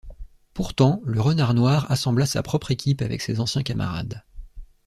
Pourtant, le Renard Noir assembla sa propre équipe avec ses anciens camarades.